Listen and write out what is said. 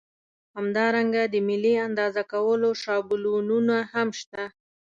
همدارنګه د ملي اندازه کولو شابلونونه هم شته.